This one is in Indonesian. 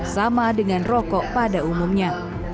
sama dengan rokok pada umumnya